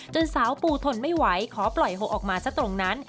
สาวปูทนไม่ไหวขอปล่อยโฮออกมาซะตรงนั้น